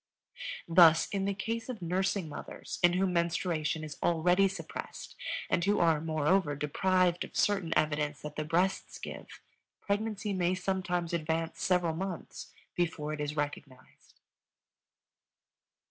Thus, in the case of nursing mothers in whom menstruation is already suppressed and who are, moreover, deprived of certain evidence that the breasts give, pregnancy may sometimes advance several months before it is recognized.